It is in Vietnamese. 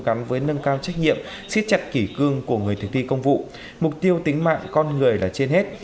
gắn với nâng cao trách nhiệm siết chặt kỷ cương của người thực thi công vụ mục tiêu tính mạng con người là trên hết